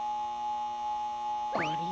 あれ？